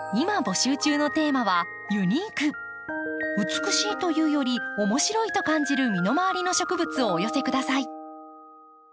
美しいというより面白いと感じる身の回りの植物をお寄せ下さい。